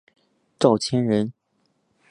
赵谦人。